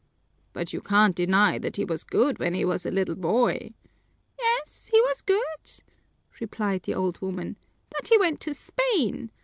"But you can't deny that he was good when he was a little boy." "Yes, he was good," replied the old woman, "but he went to Spain.